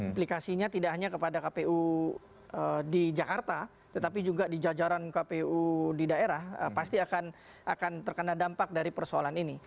implikasinya tidak hanya kepada kpu di jakarta tetapi juga di jajaran kpu di daerah pasti akan terkena dampak dari persoalan ini